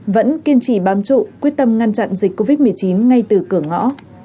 vẫn kiên trì bám trụ quyết tâm ngăn chặn dịch covid một mươi chín ngay từ cửa ngõ